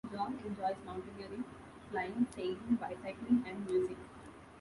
John enjoys mountaineering, flying, sailing, bicycling, and music.